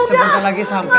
sebentar lagi sampai